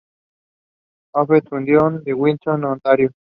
Odette Foundation de Windsor, Ontario.